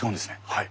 はい。